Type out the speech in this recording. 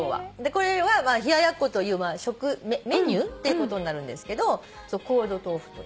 これは冷ややっこというメニューってことになるんですけどｃｏｌｄｔｏｆｕといいます。